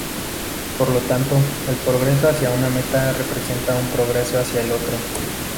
Por lo tanto, el progreso hacia una meta representa un progreso hacia el otro.